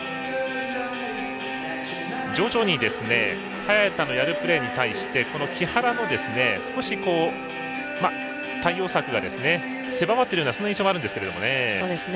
徐々に早田のやるプレーに対してこの木原の少し対応策が狭まっているような印象もあるんですけれどもね。